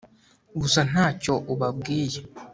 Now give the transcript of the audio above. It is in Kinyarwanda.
gusa ntacyo ubabwiye